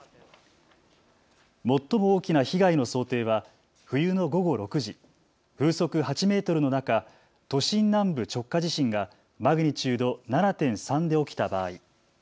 最も大きな被害の想定は冬の午後６時、風速８メートルの中、都心南部直下地震がマグニチュード７．３で起きた場合。